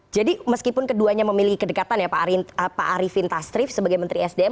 jadi meskipun keduanya memiliki kedekatan ya pak ariefin tasrif sebagai menteri sdm